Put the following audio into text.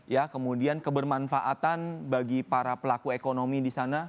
ya kemudian kebermanfaatan bagi para pelaku ekonomi di sana